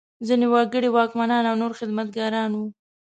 ځینې وګړي واکمنان او نور خدمتګاران وو.